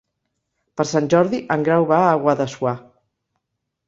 Per Sant Jordi en Grau va a Guadassuar.